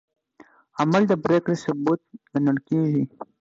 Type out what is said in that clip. عمل د پرېکړې ثبوت ګڼل کېږي.